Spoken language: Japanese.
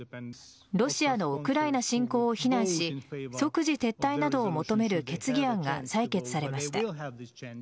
ロシアのウクライナ侵攻を非難し即時撤退などを求める決議案が採決されました。